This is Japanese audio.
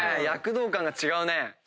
躍動感が違うね。